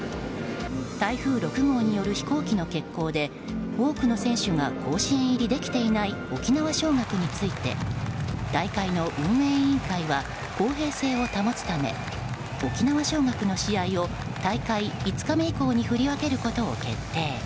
台風６号による飛行機の欠航で多くの選手が甲子園入りできていない沖縄尚学について大会の運営委員会は公平性を保つため沖縄尚学の試合を大会５日目以降に振り分けることを決定。